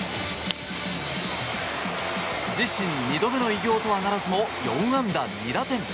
自身２度目の偉業とはならずも４安打２打点。